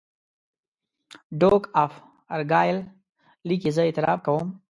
ډوک آف ارګایل لیکي زه اعتراف کوم.